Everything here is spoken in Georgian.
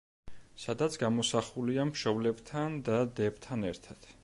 სადაც გამოსახულია მშობლებთან და დებთან ერთად.